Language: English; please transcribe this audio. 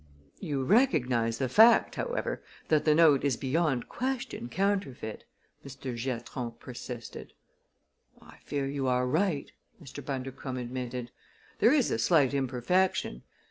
"You recognize the fact, however, that the note is beyond question counterfeit?" Mr. Giatron persisted. "I fear you are right," Mr. Bundercombe admitted. "There is a slight imperfection.